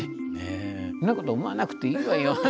そんなこと思わなくていいわよ。